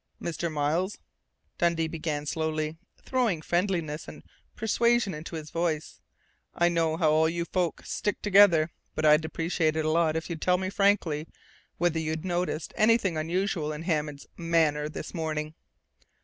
"Mr. Miles," Dundee began slowly, throwing friendliness and persuasion into his voice, "I know how all you folks stick together, but I'd appreciate it a lot if you'd tell me frankly whether you noticed anything unusual in Hammond's manner this morning."